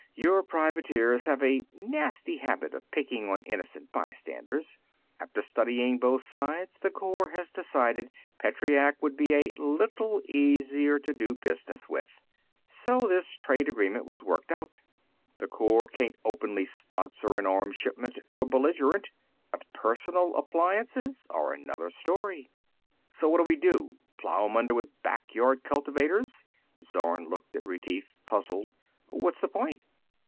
Your privateers have a nasty habit of picking on innocent bystanders. After studying both sides, the Corps has decided Petreac would be a little easier to do business with. So this trade agreement was worked out. The Corps can't openly sponsor an arms shipment to a belligerent. But personal appliances are another story." "So what do we do plow 'em under with back yard cultivators?" Zorn looked at Retief, puzzled. "What's the point?"